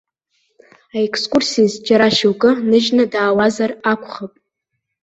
Аекскурсиаз џьара шьоукы ныжьны даауазар акәхап.